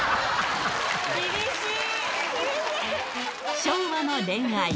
厳しい。